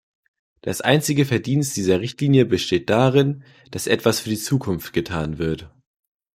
Das einzige Verdienst dieser Richtlinie besteht darin, dass etwas für die Zukunft getan wird.